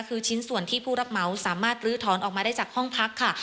คือชิ้นส่วนที่ผู้รับเหมาสามารถลื้อถอนออกมาได้จากห้องพักค่ะ